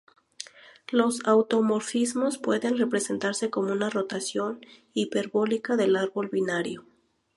Los automorfismos pueden representarse como una rotación hiperbólica del árbol binario.